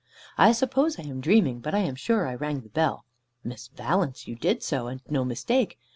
"I suppose I am dreaming. But I am sure I rang the bell." "Miss Valence, you did so, and no mistake.